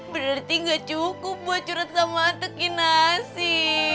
berarti gak cukup buat curhat sama ate kinasi